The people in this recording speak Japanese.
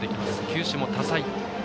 球種も多彩。